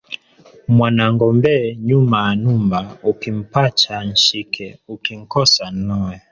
Mwanangombee nyuma a numba ukimpacha nshike ukinkosa nnoe.